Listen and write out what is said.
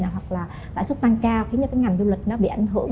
hoặc là lãi suất tăng cao khiến ngành du lịch bị ảnh hưởng